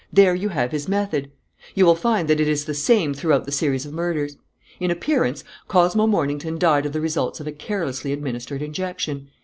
There you have his method. You will find that it is the same throughout the series of murders. "In appearance, Cosmo Mornington died of the results of a carelessly administered injection.